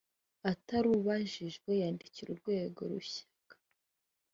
atarubahirijwe yandikira urwego rushaka